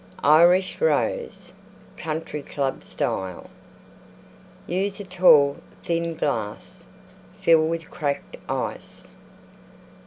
IRISH ROSE Country Club Style Use a tall, thin glass; fill with Cracked Ice.